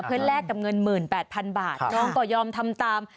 เพื่อแลกกับเงิน๑๘๐๐๐บาทน้องก็ยอมทำตาม